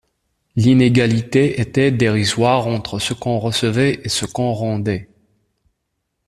L’inégalité était dérisoire entre ce qu’on recevait et ce qu’on rendait.